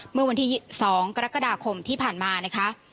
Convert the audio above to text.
เมื่อวันที่๒กรกฎาคมที่ผ่านมานะคะ